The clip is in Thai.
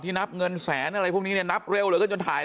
นับเงินแสนอะไรพวกนี้เนี่ยนับเร็วเหลือเกินจนถ่าย